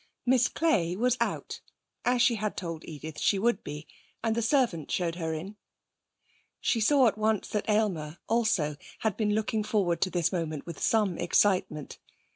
Miss Clay was out, as she had told Edith she would be, and the servant showed her in. She saw at once that Aylmer, also, had been looking forward to this moment with some excitement.